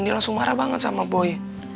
ini langsung marah banget sama boy